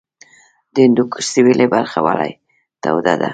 د هندوکش سویلي برخه ولې توده ده؟